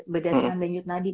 berdasarkan denyut nadi